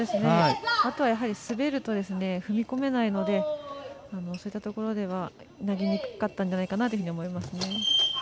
あとは滑ると踏み込めないのでそういったところでは投げにくかったんじゃないかなと思います。